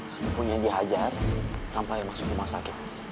sepupunya dihajar sampai masuk rumah sakit